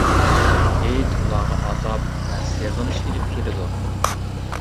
ھېيت ئۇلارغا ئازاب ۋە سېغىنىش ئېلىپ كېلىدۇ.